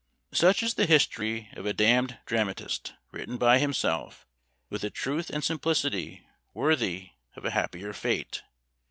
Such is the history of a damned dramatist, written by himself, with a truth and simplicity worthy of a happier fate.